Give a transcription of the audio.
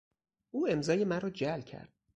او امضای مرا جعل کرد.